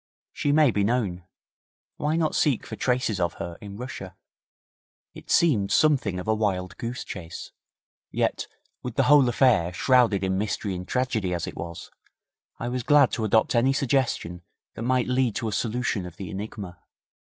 She may be known. Why not seek for traces of her in Russia?' It seemed something of a wild goose chase, yet with the whole affair shrouded in mystery and tragedy as it was, I was glad to adopt any suggestion that might lead to a solution of the enigma.